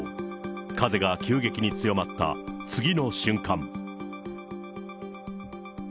風が急激に強まった次の瞬間。